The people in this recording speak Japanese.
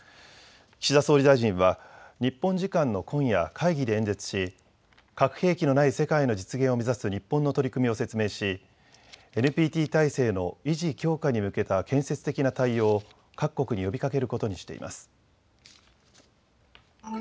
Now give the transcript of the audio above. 岸田総理大臣は日本時間の今夜、会議で演説し核兵器のない世界の実現を目指す日本の取り組みを説明しＮＰＴ体制の維持・強化に向けた建設的な対応を各国に呼びかけることにしています。